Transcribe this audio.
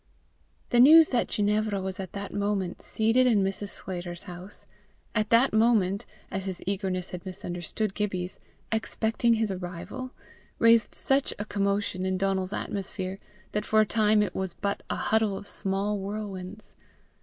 The news that Ginevra was at that moment seated in Mrs. Sclater's house, at that moment, as his eagerness had misunderstood Gibbie's, expecting his arrival, raised such a commotion in Donal's atmosphere, that for a time it was but a huddle of small whirlwinds.